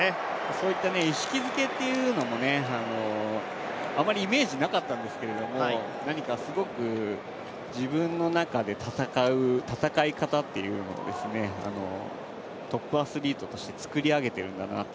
そういった意識付けもあまりイメージなかったんですけども、何かすごく自分の中で戦う戦い方っていうものをトップアスリートとして作り上げてるんだなって